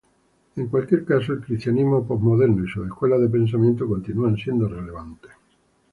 En cualquier caso, el cristianismo postmoderno y sus escuelas de pensamiento continúan siendo relevantes.